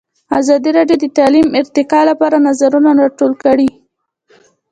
ازادي راډیو د تعلیم د ارتقا لپاره نظرونه راټول کړي.